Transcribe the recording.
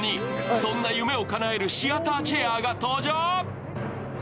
そんな夢をかなえるシアターチェアが登場。